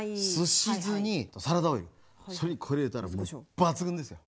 すし酢にサラダ油それにこれ入れたらもう抜群ですよ！